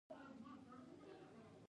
د میرمنو کار د زدکړو دوام تضمین کوي.